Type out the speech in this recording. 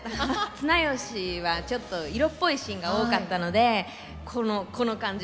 綱吉はちょっと色っぽいシーンが多かったのでこのこの感じで。